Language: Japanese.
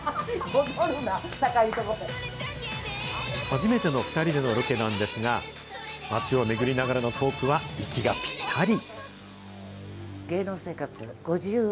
初めての２人でのロケなんですが、街を巡りながらのトークは、息がぴったり。